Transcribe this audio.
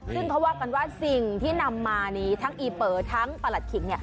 ซึ่งเขาว่ากันว่าสิ่งที่นำมานี้ทั้งอีเปอร์ทั้งประหลัดขิก